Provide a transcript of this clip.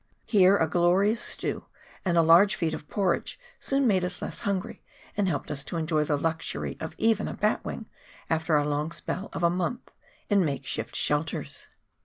Here a glorious stew and a large feed of porridge soon made us less hungry and helped us to enjoy the luxury of even a batwing, after our long spell of a month in makeshift shelters.